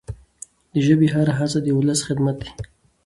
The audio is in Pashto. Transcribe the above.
د ژبي هره هڅه د ولس خدمت دی.